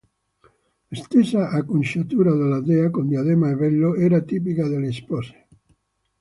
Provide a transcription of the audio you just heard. La stessa acconciatura della dea, con diadema e velo, era tipica delle spose.